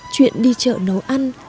chuyện đi chợ nấu ăn